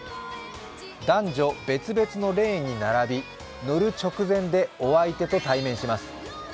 男女別々のレーンに並び乗る直前でお相手と対面します。